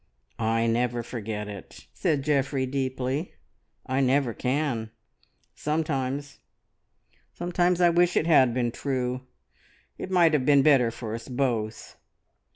"I never forget it," said Geoffrey deeply; "I never can. Sometimes sometimes I wish it had been true, it might have been better for us both.